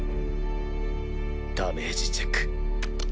ダメージチェック。